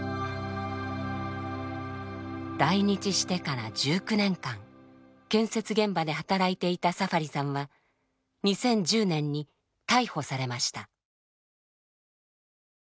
来日してから１９年間建設現場で働いていたサファリさんは２０１０年に逮捕されました。